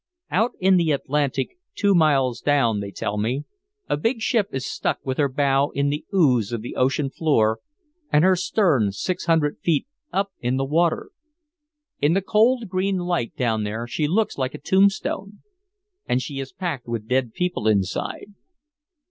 Out in the Atlantic, two miles down they tell me, a big ship is stuck with her bow in the ooze of the ocean floor and her stern six hundred feet up in the water. In the cold green light down there she looks like a tombstone and she is packed with dead people inside.